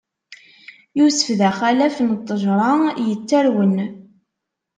Yusef, d axalaf n ṭṭejṛa yettarwen.